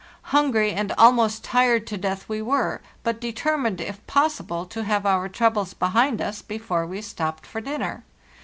Hungry and almost tired to death we were, but determined, if possible, to have our troubles behind us before we stopped for dinner.